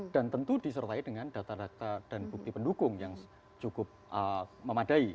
dan tentu disertai dengan data data dan bukti pendukung yang cukup memadai